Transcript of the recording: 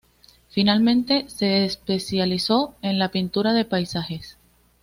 Finalmente se especializó en la pintura de paisajes.